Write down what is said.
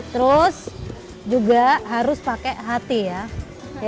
terus juga harus pakai hati ya